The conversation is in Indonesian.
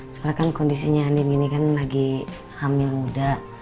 soalnya kan kondisinya andien gini kan lagi hamil muda